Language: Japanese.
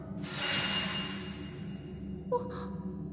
あっ。